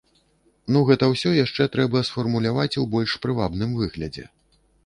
Ну гэта ўсё яшчэ трэба сфармуляваць у больш прывабным выглядзе.